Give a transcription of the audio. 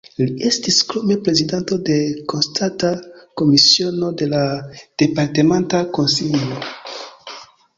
Li estis krome prezidanto de konstanta komisiono de la Departementa Konsilio.